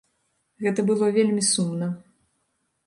Гэта было вельмі сумна.